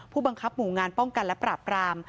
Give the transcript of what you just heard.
ผู้บังคับหมู่งานป้องกันและปราบราม